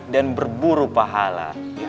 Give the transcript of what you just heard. dan berburu pahala